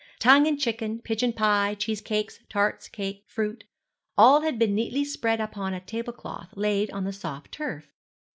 Tongue and chicken, pigeon pie, cheese cakes, tarts, cake, fruit all had been neatly spread upon a tablecloth laid on the soft turf.